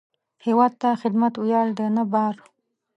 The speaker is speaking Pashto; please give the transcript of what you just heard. هیواد ته خدمت ویاړ دی، نه بار